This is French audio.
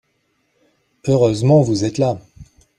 Heureusement, vous êtes là